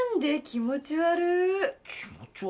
気持ち悪いって。